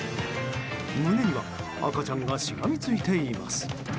胸には赤ちゃんがしがみついています。